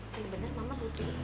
tadi bener mama belum tidur